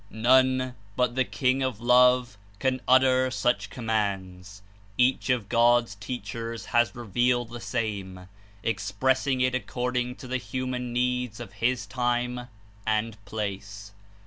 None but the King of Love can utter such commands. Each of God's teachers has revealed the same, expressing it according to the human needs of his time and place.